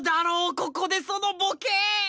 ここでそのボケ！